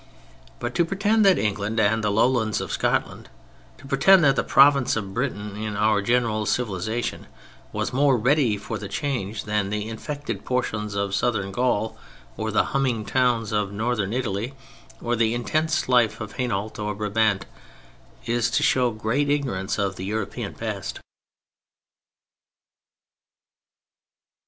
But to pretend that England and the lowlands of Scotland, to pretend that the Province of Britain in our general civilization was more ready for the change than the infected portions of Southern Gaul, or the humming towns of Northern Italy, or the intense life of Hainult, or Brabant, is to show great ignorance of the European past.